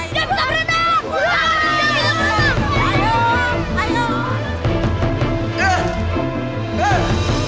jangan jangan jangan